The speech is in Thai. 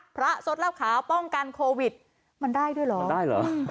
พระสดลาบขาวป้องกันโควิดมันได้ด้วยเหรอมันได้เหรอ